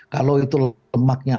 kalau itu lemaknya adanya di dalam mana